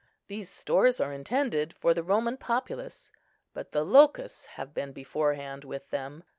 These stores are intended for the Roman populace, but the locusts have been beforehand with them.